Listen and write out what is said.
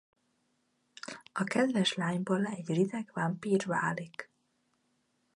A kedves lányból egy rideg vámpír válik.